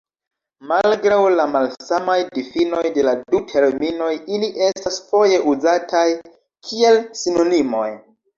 Malgraŭ la malsamaj difinoj de la du terminoj, ili estas foje uzataj kiel sinonimoj.